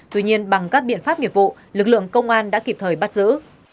tuy nhiên bằng các biện pháp nghiệp vụ lực lượng công an đã kịp thời bắt giữ